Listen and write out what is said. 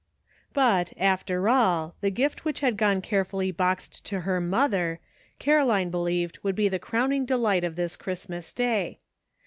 BUT, after all, the gift which had gone care fully boxed to her mother, Caroline be li(ived would be the crowning delight of this Christmas Day.